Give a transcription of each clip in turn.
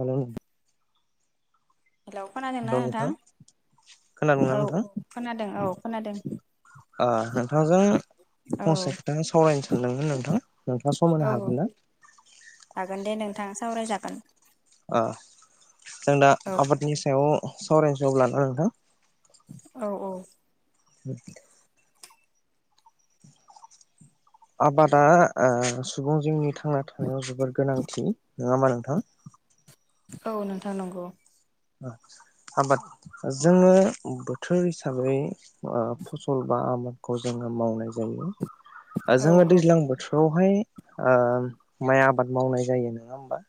हेल' hello खोनादोंना नोंथां खोनादोंना नोंथां औ नोंथां? औ खोनादों औ। खोनादों। ओ नोंथांजों औ फंसे खोथा सावरायनोसै मोन नोंथां। नोंथाङा समायना औ हागोन ना? हागोन दे नोंथां सावरायजागोन। ओ जों दा औ आबादनि सायाव सावरायनोस लादों नोंथां। औ औ। [unintelligible] आबादा ओ सुबुं जिउनि थांना थानायनि जोबोर गोनांथि। नङा होमबा नोंथां? औ नोंथां नंगौ। आबाद जोङो बोथोर हिसाबै ओ फसल बा आबादखौ जोङो मावनाय जायो औ जोङो दैज्लां बोथोर बेवहाय ओ माइ आबाद मावनाय जायो नङा होमबा?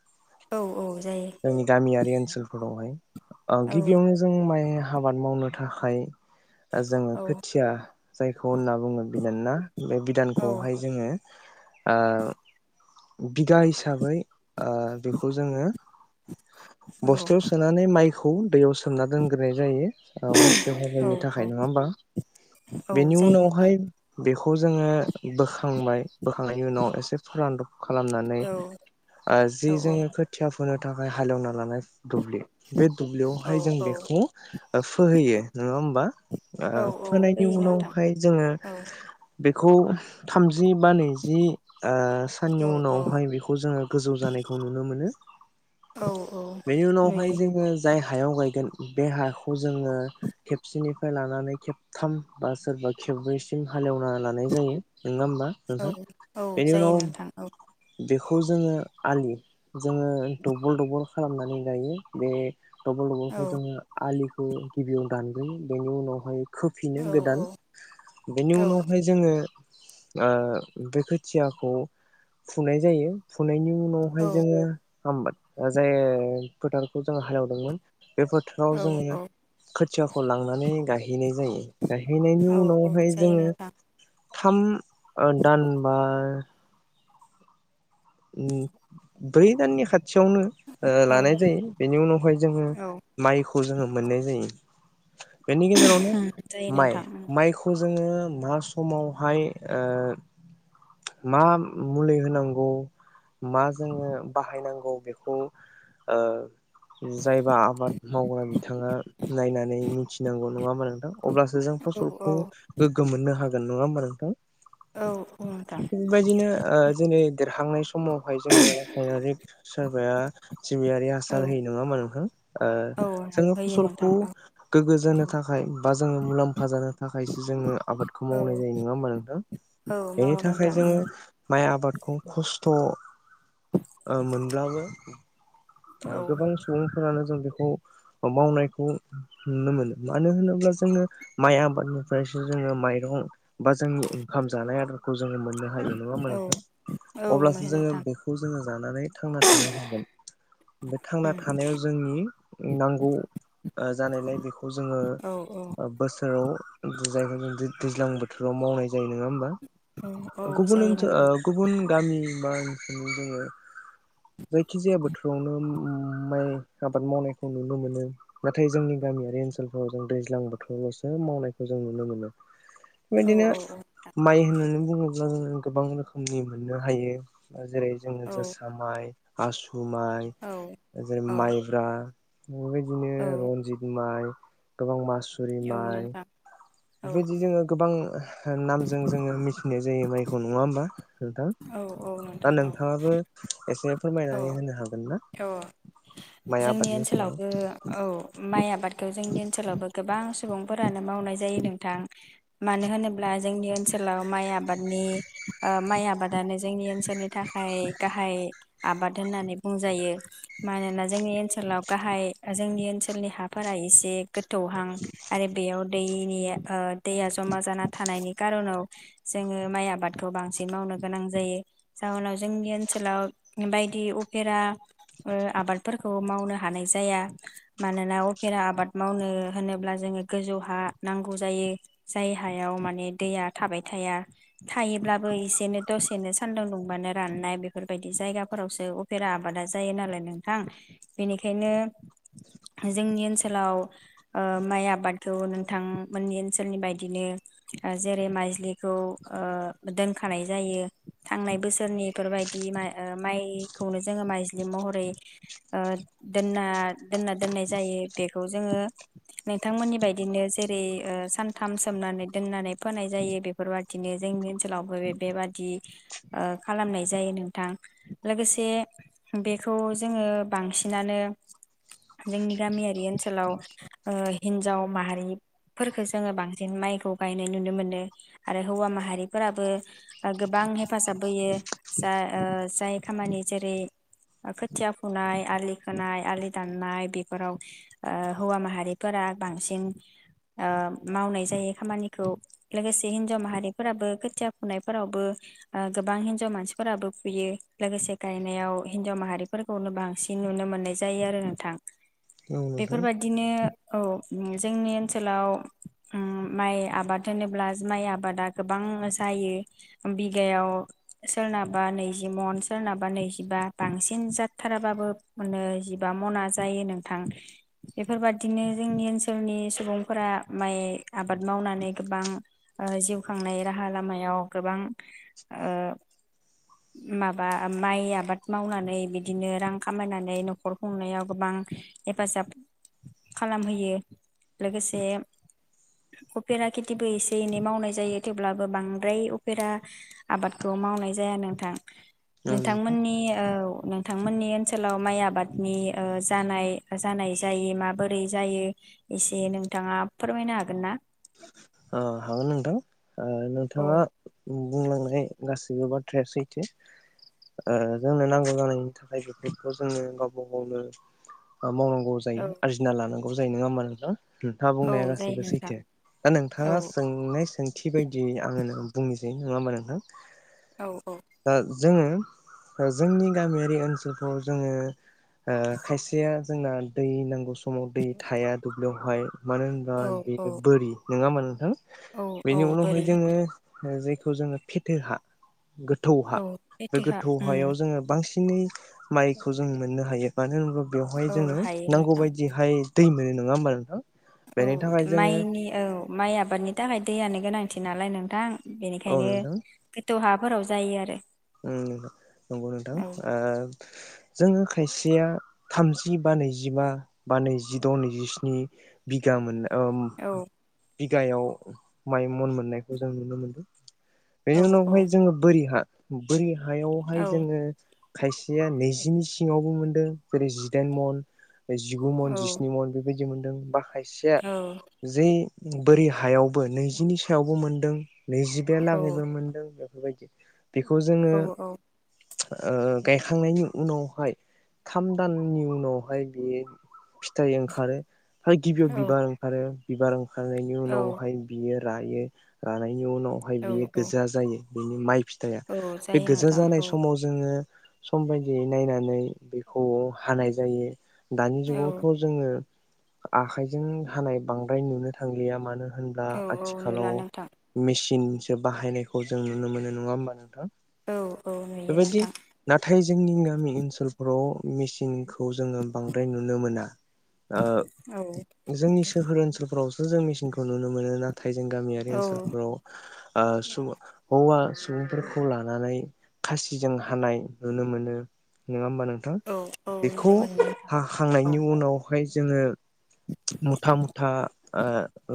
औ औ। जायो गामियारि ओनसोलफोरावहाय ओ औ गिबियावनो जों माइ आबाद मावनो थाखाय जोङो औ खोथिया जायखौ होनना बुङो बिदानना बे औ बिदानखौहाय जोङो ओ बिगा हिसाबै ओ बेखौ जोङो औ बस्थायाव सोनानै माइखौ दैयाव सोमना दोनग्रोनाय जायो हरसे औ हरैनि थाखाय नङा होमा औ बेनि जायो नोंथां उनावहाय बे खौ जोङो बोखांबाय बोखांनायनि उनाव एसे फोरानदब खालामनानै औ ओ जि औ जोङो खोथिया नि थाखाय हालेवना लानाय दुब्लि बे औ दुब्लियावहाय जों बेखौ फोहैयो नङा होमबा औ ओ औ फोनायनि फैयो नोंथां उनावहाय जोङो औ बेखौ थामजि बा नैजि ओ साननि औ औ उनावहाय बेखौ जोङो गोजौ जानायखौ नुनो मोनो औ औ बेनि उनावहाय नुयो जोङो जाय हायाव गायगोन बे हाखौ जोङो खेबसेनिफ्राय लानानै खेबथाम बा सोरबा खेब्रैसिम हालेवना लानाय जायो नङा होमबा औ नोंथां औ बेनि जायो उनाव नोंथां औ बेखौ जोङो आलि जोङो दबल दबल खालामनानै गायो बे दबल औ दबलखौ जोङो आलि खौ गिबियाव दानग्रोयो बेनि उनावहाय खोफिनो औ गोदान बेनि औ उनावहाय जोङो ओ बे खोथियाखौ फुनाय जायो फुनायनि उन उनावहाय औ जोङो हामबाद जाय ओ फोथारखौ जोंङो हालेवदोंमोन बे फोथोराव जोङो औ खोथ थियाखौ लांनानै गायहैनाय जायो गायहैनायनि औ उनावहाय जायो जोङो नोंथां थाम ओ दानबा उ बै दाननि खाथ थियावनो ओ औ लानाय जायो बेनि उनावहाय जोङो औ माइख खौ जोङो मोननाय जायो बेनि गेजेरावनो जायो माइ नोंथां उम माइखौ जो जोङो मा समावहाय ओ मा मुलि होनांगौ मा जोङो बाहायनांगौ बेखौ ओ जायबा आबाद मावग्रा बिथाङा नायनानै मिथिनांगौ नङा होमा नोंथां अब्लासो जों औ औ फसलखौ गोग्गो मोननो हाग गोन नङा होमबा नोंथां? औ औ नोंथां थिग बायदिनो ओ जेरै देरहांनाय स समावहाय जोङो ओ रिक सोरबाया सिबियारि औ हासार होयो नङा मा नोथां ओ औ जोङो होयो फसलखौ नोंथां औ गोग्गो जानो थाखाय बा जोङो मुलाम्फा जानो थाखायसो जोङो आबादखौ औ मावनाय जायो नङा मा नोंथां? औ बेनि मावो थाखाय नोंथां जोङो माइ आबादखौ खस्थ थ' ओ मोनब्लाबो ओ औ गोबां सुबुं फोरानो जों बेखौ मावनायखौ नुनो मोनो मानो होनोब्ला जोङो माइ आबादनिफ्रायसो जोङो माइरं बा जोंनि ओंखाम जानाय आदारखौ ज जोङो मोननो हायो नङा होमबा औ औ नोंथां अब्लासो मोनो जोङो नोंथां बेखौ जोङो जानानै थांना थानो हागोन। बे थांना थानायाव जोंनि नांगौ ओ जानायलाय बेखौ जोङो औ औ ओ बोसो [unintelligible] दैज्लां बोथोराव मावनाय जायो नोङा होमबा? औ गुबुन जायो ओनसोल ओ नोंथां गुबुन गामि बा जोङो जायखि जाया बो थोरावनो माइ आबाद मावनायखौ नुनो मोनो। नाथाय जोंनि गामियारि ओनसोलफोराव जों दैज्लां बोथोरावल'सो मावनायखौ जों नुनो मोनो। औ बेबायदिनो औ माइ होननानै बुङोब्ला जोङो गोबां रोखोमनि मोननो हायो। जेरै जोङो औ जोसा माइ, आसु माइ जेरै औ माइब्रा बेबायदिनो औ रनजित माइ गोबां मास औ सुरिमाइ नोंथां औ बेफोरबायदि जोङो गोबां ओ नामजों जोङो मिथिनाय जायो माइखौ नङा होमबा? नोंथां औ औ नोंथां दा औ नोंथाङाबो एसे फोरमायनानै होनो हागोन। ना औ माइ जोंनि आबादनि सायाव ओनसोलावबो औ माइ आबादखौ जोंनि ओन सोलावबो गोबां सुबुंफोरानो मावनाय जायो नोंथां मानो होनोब्ला जोंनि ओन सोलाव माइ आबादनि ओ माइ आबादानो जोंनि ओनसोलनि थाखाय गाहाय आबाद होननानै बुं जायो मानोना जोंनि ओनसोलाव गाहाय जोंनि ओनसोलनि हाफोरा एसे गोथौहां आरो बेयाव दैनि ओ दैया जमा जाना थानायनि खारनाव जोङो माइ आबादखौ बांसिन मावनो गोनां जायो जाहोनाव जोंनि ओनसोलाव बायदि उफेरा ओ आबादफोरखौ मावनो हानाय जाया मानोना अफेरा आबाद मावनो होनोब्ला जोङो गोजौ हा नांगौ जायो जाय हायाव माने दैया थाबाय थाया थायोब्लाबो एसेनो, दसेनो सान्दुं दुंबानो राननाय बेफोरबायदि जायगाफोरावसो अफेरा आबादा जायो नालाय नोंथां बेनिखायनो जोंनि ओनसोलाव ओ माइ आबादखौ नोंथां मोननि ओनसोलनि बायदिनो जेरै-माइज्लिखौ ओ दोनखानाय जायो थांनाय बोसोरनिफोरबायदि माइ-माइखौनो जों माइज्लि महरै ओ दोनना-दोनना दोननाय जायो बेखौ जोङो नोंथांमोननि बायदिनो जेरै ओ सानथाम सोमनानै दोननानै फोनाय जायो। बेफोरबादिनो जोंनि ओनसोलावबो बेबादि ओ खालामनाय जायो नोंथां लोगोसे बेखौ जोङो बांसिनानो जोंनि गामियारि ओनसोलाव ओ हिनजाव माहारिफोरखो जोङो बांसिन माइखौ गायनाय नुनो मोनो आरो हौवा माहारिफोराबो गोबां हेफाजाब होयो जा ओ जाय खामानि जेरै खोथिया फुनाय, आलि खोनाय, आलि दाननाय बेफोराव ओ हौवा माहारिफोरा बांसिन ओ मावनाय जायो खामानिखौ लोगोसे हिनजाव माहारिफोराबो खोथिया फुनायफोरावबो ओ गोबां हिनजाव मानसिफोराबो फुयो लोगोसे गायनायाव हिनजाव माहारिफोरखौनो बांसिन नुनो मोननाय जायो आरो नोंथां। औ नोंथां बेफोरबायदिनो। औ जोंनि ओनसोलाव माइ आबाद होनोब्ला माइ आबादा गोबां जायो बिगायाव सोरनाबा नैजि मन, सोरनाबा नैजिबा। बांसिन जाथाराबाबो मनो जिबा मना जायो नोंथां बेफोरबादिनो जोंनि ओनसोलनि सुबुंफोरा माइ आबाद मावनानै गोबां ओ जिउ खांनाय राहा लामायाव गोबां ओ माबा माइ आबाद मावनानै बिदिनो रां खामायनानै न'खर खुंनायाव गोबां हेफाजाब खालामहोयो लोगोसे उफेरा खेथिबो एसे-एनै मावनाय जायो थेवब्लाबो बांद्राय उफेरा आबादखौ मावनाय जाया नोंथां। औ नोंथां नोंथांमोननि औ नोंथांमोननि ओनसोलाव माइ आबादनि ओ जानाय-जानाय जायि माबोरै जायो एसे नोंथाङा फोरमायनो हागोन ना? अ हागोन नोंथां। ओ औ नोंथाङा बुंलांनाय गासैबो बाथ्राया सैथो ओ जोंनो नांगौ जानायनि थाखाय बेफोरखौ जोङो गावबा गावनो मावनांगौ जायो, आरजिना लानां गु जायो नङा होमबा नोंथां। नोंथाङा औ बुंनाया जायो गासैबो नोंथां सैथो। दा औ नोंथाङा सोंनाय सों थि बायदियै आङो बुंनोसै नोङा होमबा नोंथां। औ औ। दा जोङो जोंनि गामियारि ओनसोलखौ जोङो। ओ खायसेया। जोंना दै नांगौ समाव दै थाया दुब्लियावहाय। मानो औ होनोब्ला औ [unintelligible] नोङा होमबा नोंथां। औ औ बेनि उनावहाय बोरै जोङो ओ जि खौ जोङो फिथोहा गोथौ हा औ बे एथेखा गोथौ हायाव उम जोङो बांसिन। नै माइखौ जोङो मोननो हायो मानो होन बेवहाय औ जोङो हायो नांगौ नोंथां बायदिहाय। दैनो नोङा होमबा नोंथां। औ बेनि थाखाय जोङो माइनि औ माइ आबादनि थाखाय दैयानो गोनांथि नालाय नोंथां। औ बेनिखायनो नोंथां खो द' हाफोराव जायो आरो। उम नुला नंगौ नोंथां ओ जोङो खायसेया थामजि बा नैजिबा बा नैजिद' नैजिस्नि बिघा मोनना औ। बिगायाव माइ मन मोननायखौ जों नुनो मोनदों। औ बेनि औ उनावहाय जोङो बोरि हा। बोरि हायावहाय औ जोङो खायसेया नैजिनि सिङावबो मोनदों जेरै- जिदाइन मन। जिगु मन औ जिस्नि मन बेबाय दि मोनदों बा खायसेया औ जे बोरै हायावबो नैजिनि सायावबो मोनदों। औ नैजिबालागौबो मोनदों बेबायदि। बेखौ जोङो औ ओ गायखांनायनि उनावहाय थाम दाननि उनावहाय बेयो फिथाइ ओंखारो। फ्राय गिबियाव बिबार ओंखारो। बिबार ओ खांनायनि औ उनावहाय बियो रयो रानाय बेनि उनावहाय औ बियो औ गोजा जायो। बिनि माइ फि औ बे जायो गोजा नोंथां जानाय औ समाव जोङो सम बायदियै नायनानै बेखौ हानाय जायो। दानि औ जुगावथ' जोङो आखाइजों हानाय बांद्राय नुनो थांलिया मानो होनब्ला औ औ नुला आथिखालाव नोंथां मिसि नसो बाहायनायखौ जों नुनो मोनो नङा होमबा नों थां औ औ नुयो बेबायदि नोंथां नाथाय जोंनि गामि ओनसोलफ्राव मिसिनखौ जोङो बांद्राय नुनो मोना। ओ औ जोंनि सोहोर ओनसोलफोराव ' जों मिचिनखौ नुनो मोनो। ना थाय जों गामियारि औ ओनसोलफोराव आ सु हौवा सुबुं फोरखौ लानानै खासिजों हानाय नुनो मोनो नंङा होमबानो नो थां औ औ बेखौ नुनो मोनो नोंथां हाखांनायनि उनाव बेहाय जोंङो मुथा मुथा ओ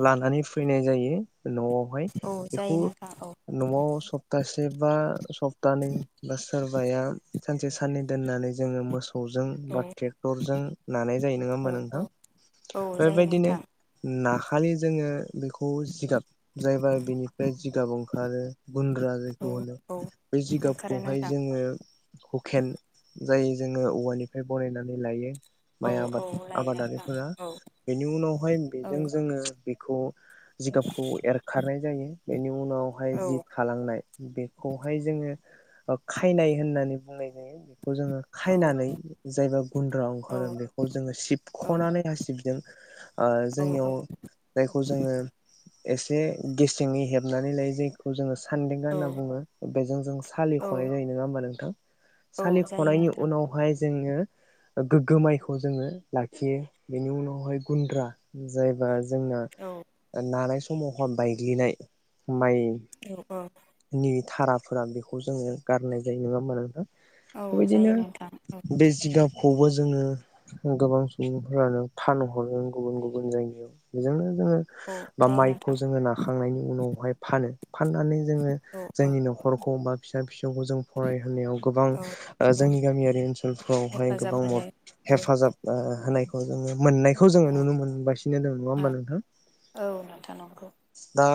लानानै फैनाय जायो नआवहाय औ जायो बेखौ नोंथां औ नआव सब सोरबा सप्तानै बा सोरबाया सानसे साननै दोननानै जोंङो मोसौ जों औ बा ट्रेक्टरजों नानाय जायो नंङा होमा औ नोंथां औ औ जायो बेबायदिनो नोंथां नाखालि जोंङो बेखौ जिगाब जायबा बेनिफ्राय जिगाबाव ओखारो गुन्द्रा औ होनो औ बे ओंखारो जिगाबखौहाय नोंथां जोंङो हुकेन जाय जोंङो औवानिफ्राय बनायनानै लायो औ माइ आबाद औ लायो नोंथां आबादारिफोरा औ बेनि उनावहाय औ बेजों जोंङो खौ जिगाबखौ एरखारनाय जायो। बेनि उनावहाय औ जिब खालांनाय बेखौहाय जोंङो ओ खायनाय होननानै बुंनाय जायो। बेखौ जोंङो औ खायनानै जायबा गुन्द्रा औ ओंखारदों बेखौ जोंङो सिबखनानै हासिबदों ओ जोंनियाव औ जायखौ जोङो एसे गेसेंडै हेबनानै लायो जायखौ जोंङो सान्देंगा औ होना बुंङो। बेजों जों सालिखनाय औ जायो ननङा होम नोंथां औ जायो सालिखनायनि नोंथां उनावहाय जोंहो गोगोम माइखौ जोंङो लाखियो बेनि उनावहाय गुन्द्रा जायबा जोंना औ नांनाय समावहन बायग्लिनाय [unintelligible] माय औ औ नि थाराफोरा बेखौ जोंङो गारनाय जायो नंङा होनबा नोंथा औ जायो बिदिनो नोंथां औ बे जिगाब खौबो जोंङो गोबां सुबुंफ्रानो फाननोहरो गुबुन गुबुन जायगायाव बेजोंनो औ ओ जायो नोंथां माइखौ जोंङो नाखांनायनि उनावहाय फानो फाननानै जोङो औ औ जोंनि नखरखौ बा फिसा फिसौखौ जों फरायहोनायाव गोबां औ ओ औ जोंनि गामियारि ओनसोलफोरावहाय हेफाजाब गोबांद मोनो औ हेफाजाब ओ होनायखौ जोंङो मोननायखौ जोङो औ नुनो मोनगासिनो दङ नङा औ होमबा नोंथां औ नोंथां नंगौ दा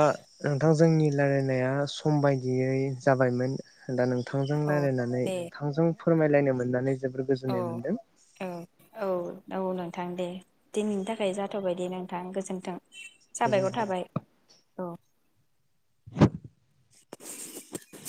नोंथांजों जोंनि रायलायनाया सम बायदियै जाबायमोन दा नोंथांजों औ रायज्लायनानै दे नोंथांजों फोरमायलायनो मोननानै जोबोर औ गोजोननाय मोनदों। औ औ औ नोंथां दे दिनैनि थाखाय जाथ'बायदि नोंथां गोजोन्थों। साबायखर गोजोनथों थाबाय औ। [unintelligible]